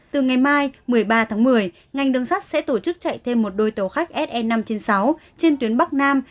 từ ngày mai một mươi ba tháng một mươi ngành đường sắt sẽ tổ chức chạy thêm một đôi tàu khách se năm trăm chín mươi sáu trên tuyến bắc nam